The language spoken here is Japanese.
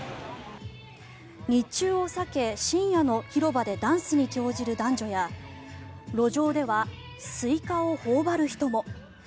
日中を避け深夜の広場でダンスに興じる男女や路上ではスイカを頬張る人も。